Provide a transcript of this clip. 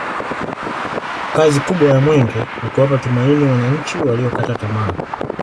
kazi kubwa ya mwenge ni kuwapa tumaini wananchi waliokata tamaa